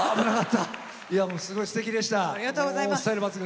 すごいすてきでした。